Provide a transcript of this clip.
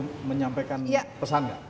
untuk menyampaikan pesan gak